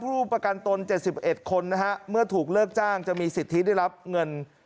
ผู้ประกันตน๗๑คนนะฮะเมื่อถูกเลิกจ้างจะมีสิทธิได้รับเงิน